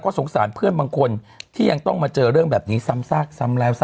บอกตามที่ผมลงไปเลยครับ